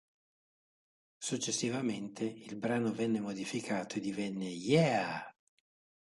Successivamente, il brano venne modificato e divenne "Yeah!